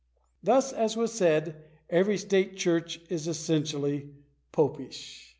Thus, as was said, every state church is essentially popish. §8.